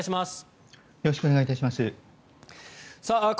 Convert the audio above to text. よろしくお願いします。